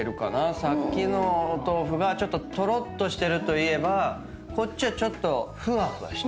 さっきのお豆腐がちょっととろっとしてるといえばこっちはちょっとふわふわしてて。